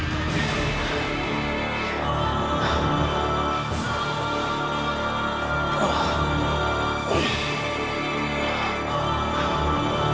isa saja sudah mem dorong kau sampai mana inilah